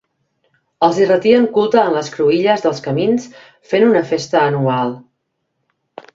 Els hi retien culte en les cruïlles dels camins, fent una festa anual.